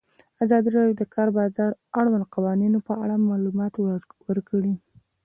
ازادي راډیو د د کار بازار د اړونده قوانینو په اړه معلومات ورکړي.